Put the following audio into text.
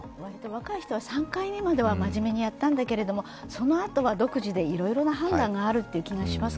若い人は３回目までは真面目にやったんだけれども、そのあとは独自でいろいろな判断があるという気がします。